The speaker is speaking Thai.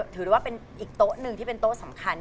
ถือได้ว่าเป็นอีกโต๊ะหนึ่งที่เป็นโต๊ะสำคัญ